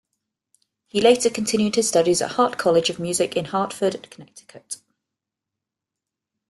He later continued his studies at Hartt College of Music in Hartford, Connecticut.